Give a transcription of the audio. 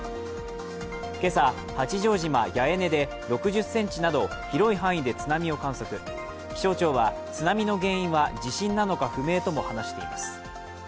今朝、八丈島八重根で６０ｃｍなど広い範囲で津波を観測、気象庁は津波の原因は地震なのか不明とも話しています。